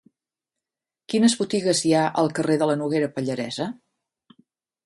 Quines botigues hi ha al carrer de la Noguera Pallaresa?